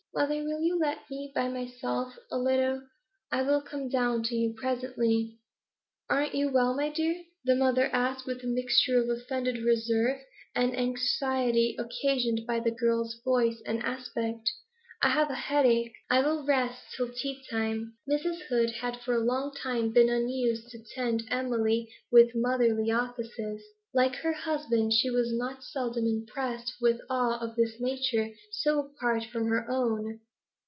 'Mother, will you let me be by myself a little? I will come down to you presently.' 'Aren't you well, my dear?' the mother asked, with a mixture of offended reserve and anxiety occasioned by the girl's voice and aspect. 'I have a headache. I will rest till tea time.' Mrs. Hood had for a long time been unused to tend Emily with motherly offices; like her husband, she was not seldom impressed with awe of this nature so apart from her own.